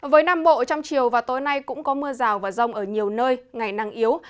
với nam bộ trong chiều và tối nay cũng có mưa rào và rông ở nhiều nơi ngày năng yếu